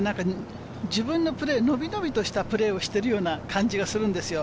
自分のプレー、のびのびしたプレーをしているような感じがするんですよ。